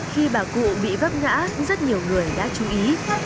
khi bà cụ bị vấp ngã rất nhiều người đã chú ý